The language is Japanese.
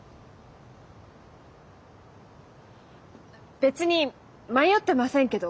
別に迷ってませんけど。